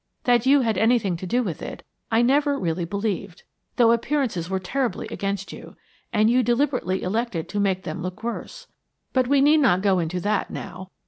That you had anything to do with it I never really believed, though appearances were terribly against you, and you deliberately elected to make them look worse. But we need not go into that now.